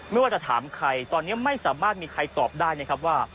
ไม่ว่าจะถามใครตอนนี้ไม่สามารถมีใครตอบได้นะครับว่า